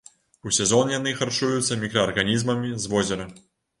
У сезон яны харчуюцца мікраарганізмамі з возера.